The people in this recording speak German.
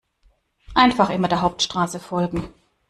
Einfach immer der Hauptstraße folgen.